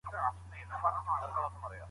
کشکي چي ستا غم نه وای .